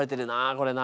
これな。